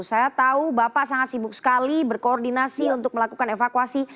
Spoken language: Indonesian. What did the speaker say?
saya tahu bapak sangat sibuk sekali berkoordinasi untuk melakukan evakuasi